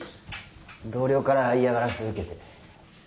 同僚から嫌がらせ受けてね。